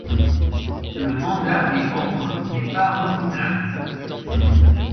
Le mandat des membres n’est pas renouvelable.